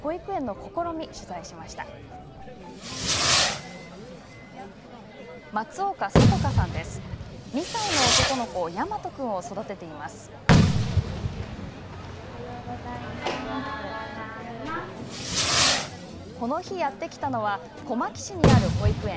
この日、やって来たのは小牧市にある保育園。